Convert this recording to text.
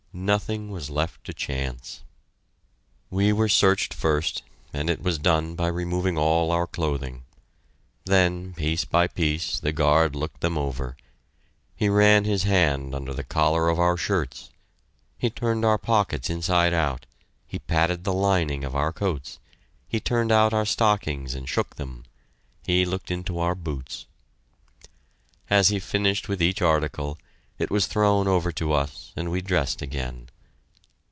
Nothing was left to chance! We were searched first, and it was done by removing all our clothing. Then, piece by piece, the guard looked them over. He ran his hand under the collar of our shirts; he turned our pockets inside out; he patted the lining of our coats; he turned out our stockings and shook them; he looked into our boots. As he finished with each article, it was thrown over to us and we dressed again.